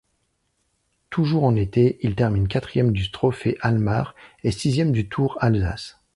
Toujours en été, il termine quatrième du Trophée Almar et sixième du Tour Alsace.